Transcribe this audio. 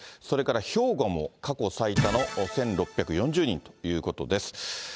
それから兵庫も過去最多の１６４０人ということです。